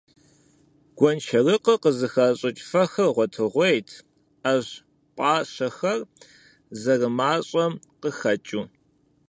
Гуэншэрыкъыр къызыхащӀыкӀ фэхэр гъуэтыгъуейт, Ӏэщ пӀащэхэр зэрымащӀэм къыхэкӀыу.